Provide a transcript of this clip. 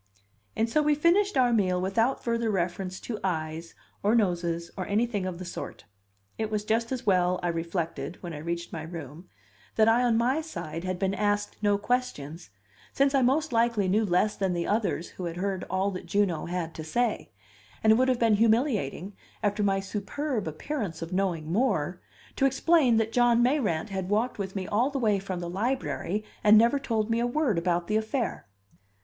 And so we finished our meal without further reference to eyes, or noses, or anything of the sort. It was just as well, I reflected, when I reached my room, that I on my side had been asked no questions, since I most likely knew less than the others who had heard all that Juno had to say; and it would have been humiliating, after my superb appearance of knowing more, to explain that John Mayrant had walked with me all the way from the Library, and never told me a word about the affair.